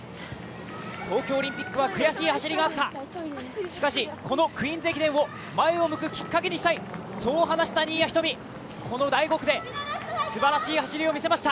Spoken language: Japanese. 東京オリンピックは悔しい走りがあった、しかし、このクイーンズ駅伝を前を向くきっかけにしたいそう話した新谷仁美、この第５区ですばらしい走りを見せました。